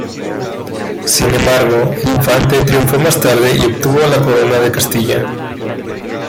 Sin embargo, el Infante triunfó más tarde y obtuvo la corona de Castilla.